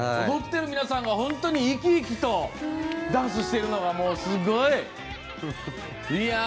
踊ってる皆さんが本当に生き生きとダンスしてるのがすごい！